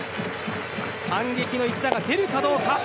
反撃の一打が出るかどうか。